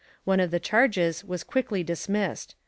One of the charges was quickly dismissed.